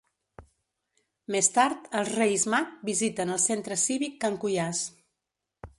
Més tard els Reis Mag visiten el Centre Cívic Can Cuiàs.